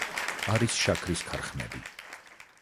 არის შაქრის ქარხნები.